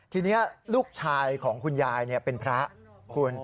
ทีนี้ลูกชายของคุณยายเป็นพระคุณ